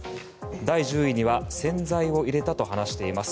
第１０位には洗剤を入れたと話しています。